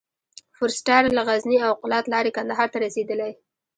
فورسټر له غزني او قلات لاري کندهار ته رسېدلی.